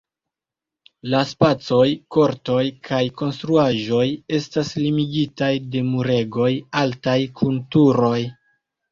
La spacoj, kortoj kaj konstruaĵoj estas limigitaj de muregoj altaj kun turoj.